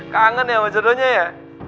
kangen ya mas jodohnya ya